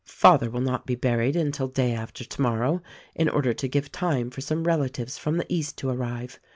Father will not be buried until day after tomorrow, in order to give time for some relatives from the East to arrive.